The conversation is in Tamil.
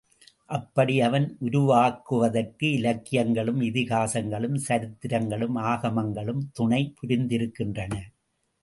அப்படி அவன் உருவாக்குவதற்கு இலக்கியங்களும், இதிகாசங்களும், சரித்திரங்களும் ஆகமங்களும் துணை புரிந்திருக்கின்றன.